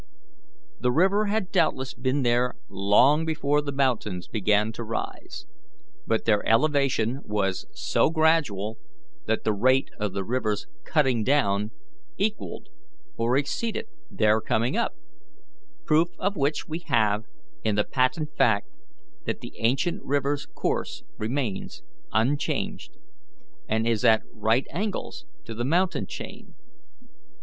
The river had doubtless been there long before the mountains began to rise, but their elevation was so gradual that the rate of the river's cutting down equalled or exceeded their coming up; proof of which we have in the patent fact that the ancient river's course remains unchanged, and is at right angles to the mountain chain.